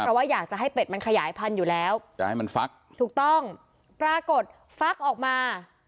เพราะว่าอยากจะให้เป็ดมันขยายพันธุ์อยู่แล้วจะให้มันฟักถูกต้องปรากฏฟักออกมา